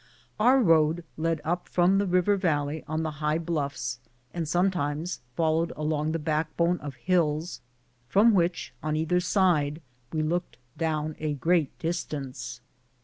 Our road led up from the river valley on the high bluffs, and sometimes followed along the backbone of liills from which on either side we looked down a great distance.